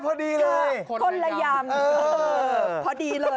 พอดีเลยนะคะ